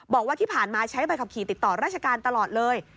บอกว่าที่ผ่านมาใช้ใบขับขี่ติดต่อราชการตลอดเลย